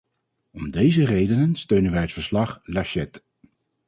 Om deze redenen steunen wij het verslag-Laschet.